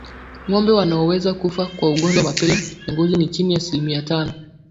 Ngombe wanaoweza kufa kwa ugonjwa wa mapele ya ngozi ni chini ya asilimia tano